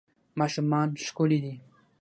ماشومان ښکلي دي